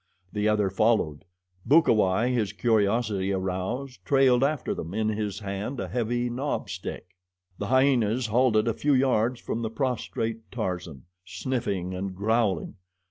The other followed. Bukawai, his curiosity aroused, trailed after them, in his hand a heavy knob stick. The hyenas halted a few yards from the prostrate Tarzan, sniffing and growling.